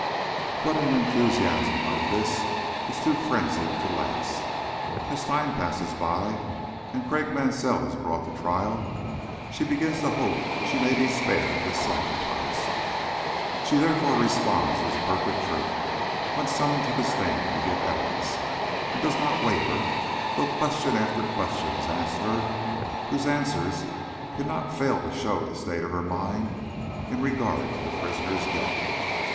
"But an enthusiasm like this is too frenzied to last. As time passes by and Craik Mansell is brought to trial, she begins to hope she may be spared this sacrifice. She therefore responds with perfect truth when summoned to the stand to give evidence, and does not waver, though question after question is asked her, whose answers cannot fail to show the state of her mind in regard to the prisoner's guilt.